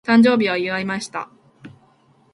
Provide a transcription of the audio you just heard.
誕生日を祝いました。